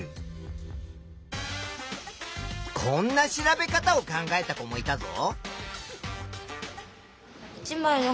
こんな調べ方を考えた子もいたぞ。